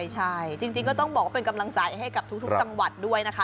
ใช่จริงก็ต้องบอกว่าเป็นกำลังใจให้กับทุกจังหวัดด้วยนะคะ